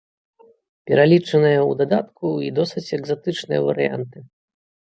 Пералічаныя ў дадатку і досыць экзатычныя варыянты.